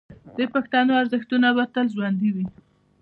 د پښتنو ارزښتونه به تل ژوندي وي.